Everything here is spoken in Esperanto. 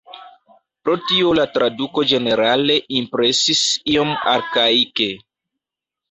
Pro tio la traduko ĝenerale impresis iom arkaike.